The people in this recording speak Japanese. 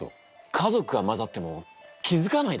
家族が交ざっても気付かないだと！？